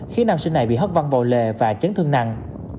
khiến nam sinh này bị hất văng vào lề và chấn thương nặng